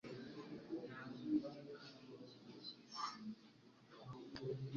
Yahagurutse neza muri stade ikariso iragwa